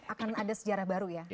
akan ada sejarah baru ya